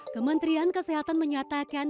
kementerian kesehatan menyatakan